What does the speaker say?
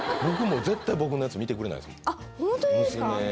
僕も絶対僕のやつ見てくれないですもん。